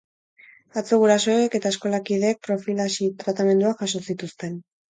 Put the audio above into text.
Atzo gurasoek eta eskolakideek profilaxi tratamenduak jaso zituzten.